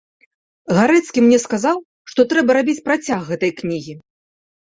Гарэцкі мне сказаў, што трэба рабіць працяг гэтай кнігі.